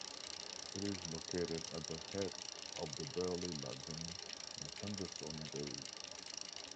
It is located at the head of the Burley Lagoon in Henderson Bay.